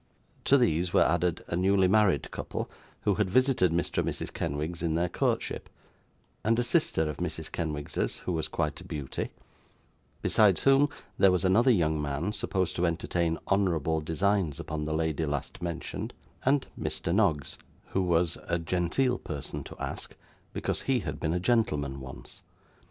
To these were added a newly married couple, who had visited Mr. and Mrs. Kenwigs in their courtship; and a sister of Mrs. Kenwigs's, who was quite a beauty; besides whom, there was another young man, supposed to entertain honourable designs upon the lady last mentioned; and Mr. Noggs, who was a genteel person to ask, because he had been a gentleman once.